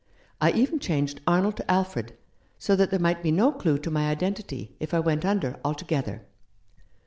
I even changed Arnold to Alfred, so that there might be no clue to my identity if I went under altogether."